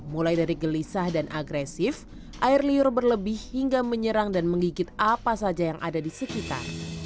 mulai dari gelisah dan agresif air liur berlebih hingga menyerang dan menggigit apa saja yang ada di sekitar